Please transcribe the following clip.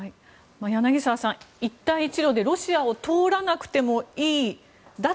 柳澤さん、一帯一路でロシアを通らなくてもいい脱